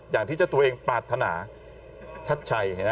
อย่างที่จะตัวเองปรารถนาทัชชัย